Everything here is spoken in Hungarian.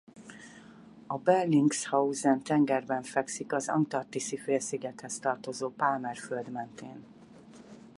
A Bellingshausen-tengerben fekszik az Antarktiszi-félszigethez tartozó Palmer-föld mentén.